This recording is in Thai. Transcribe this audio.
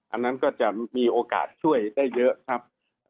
อันนั้นก็จะมีโอกาสช่วยได้เยอะครับ